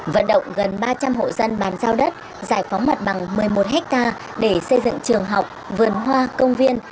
vận động gần ba trăm linh hộ dân bàn giao đất giải phóng mặt bằng một mươi một hectare để xây dựng trường học vườn hoa công viên